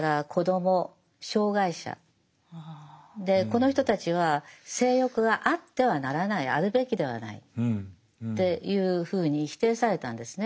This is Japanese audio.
でこの人たちは性欲があってはならないあるべきではないっていうふうに否定されたんですね。